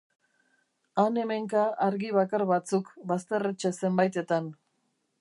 Han-hemenka argi bakar batzuk bazterretxe zenbaitetan.